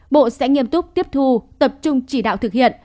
bộ sẽ nghiêm túc tiếp thu tập trung chỉ đạo thực hiện